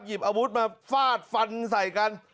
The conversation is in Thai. อาวุธมาฟาดฟันใส่กัน